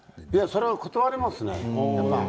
それは断りますね。